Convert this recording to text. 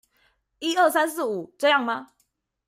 一二三四五，這樣嗎？